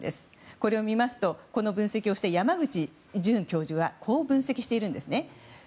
これを見ますとこの分析をした山口准教授はこう分析しているんです。